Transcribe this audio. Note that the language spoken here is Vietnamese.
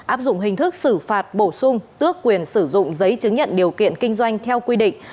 áp dụng hình thức xử phạt bổ sung tước quyền sử dụng giấy chứng nhận điều kiện kinh doanh theo quy định